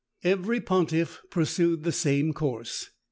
Every pontiff pursued the same course.